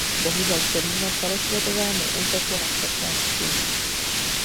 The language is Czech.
Bohužel čelíme celosvětovému útoku na křesťanství.